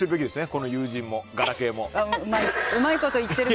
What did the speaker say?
この友人も、ガラケーも。